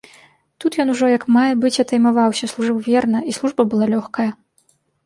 Тут ён ужо як мае быць атаймаваўся, служыў верна, і служба была лёгкая.